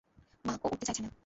মা, ও উঠতে চাইছে না।